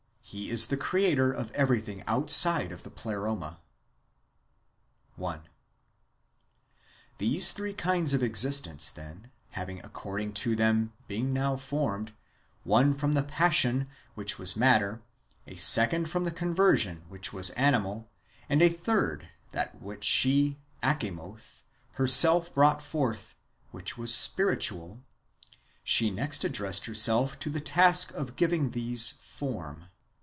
He is the creator of everything outside of the Pleroma. 1. These three kinds of existence, then, having, according to them, been now formed, — one from the passion, which was matter; a second from the conversion, which was animal; and the third, that which she (Achamoth) herself brought forth, which was spiritual, — she next addressed herself to the task of giving these form.